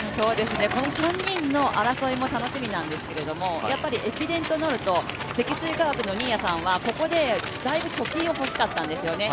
この３人の争いも楽しみなんですけど駅伝となると積水化学の新谷さんは、ここでだいぶ貯金を欲しかったんですよね。